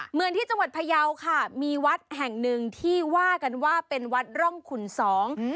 เหมือนที่จังหวัดพยาวค่ะมีวัดแห่งหนึ่งที่ว่ากันว่าเป็นวัดร่องขุนสอง